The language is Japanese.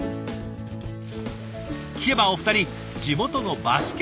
聞けばお二人地元のバスケ仲間。